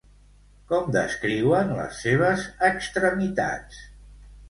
Com descriuen les seves extremitats?